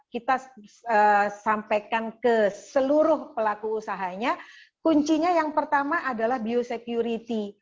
kita sampaikan ke seluruh pelaku usahanya kuncinya yang pertama adalah biosecurity